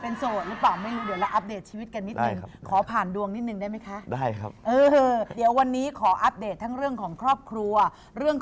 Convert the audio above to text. เป็นโสดหรือเปล่าไม่รู้เดี๋ยวเราอัปเดตชีวิตกันนิดหนึ่ง